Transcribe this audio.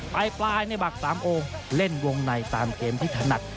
ไปปลายในบักสามโอเล่นวงใน๓เกมที่ถนัด